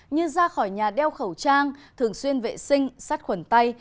như ra khỏi nhà đeo khẩu trang thường xuyên vệ sinh sát khuẩn tay